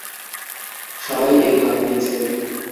সবাই এর ভাগ নিয়েছে।